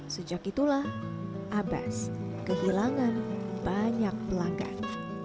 sejak itulah abas kehilangan banyak pelanggan